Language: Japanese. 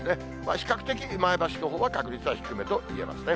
比較的前橋のほうは確率は低めといえますね。